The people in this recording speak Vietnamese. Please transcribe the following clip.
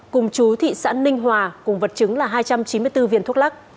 cùng chú thị xã ninh hòa cùng vật chứng là hai trăm chín mươi bốn viên thuốc lắc